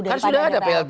kan sudah ada plt